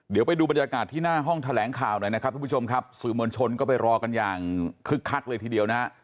เดี๋ยวไปดูบรรยากาศที่หน้าห้องแถลงข่าวหน่อยนะครับทุกผู้ชมครับสื่อมวลชนก็ไปรอกันอย่างคึกคักเลยทีเดียวนะฮะ